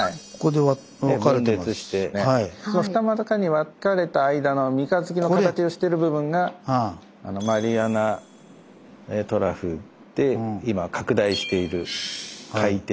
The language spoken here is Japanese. その二股に分かれた間の三日月の形をしてる部分が「マリアナトラフ」って今拡大している海底になります。